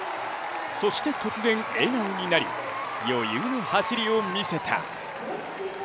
そして突然、笑顔になり、余裕の走りを見せた。